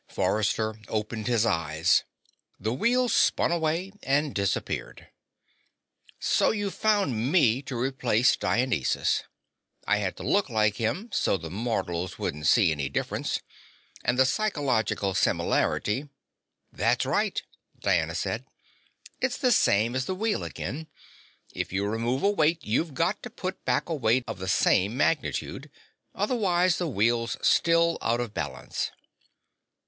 Forrester opened his eyes. The wheel spun away and disappeared. "So you found me to replace Dionysus. I had to look like him, so the mortals wouldn't see any difference. And the psychological similarity " "That's right," Diana said. "It's the same as the wheel again. If you remove a weight, you've got to put back a weight of the same magnitude. Otherwise, the wheel's still out of balance."